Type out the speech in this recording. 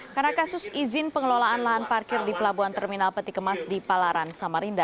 karena kasus izin pengelolaan lahan parkir di pelabuhan terminal peti kemas di palaran samarinda